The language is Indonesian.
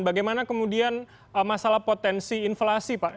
bagaimana kemudian masalah potensi inflasi pak